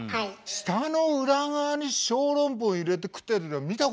舌の裏側に小籠包入れて食ってるの見たことねえよ？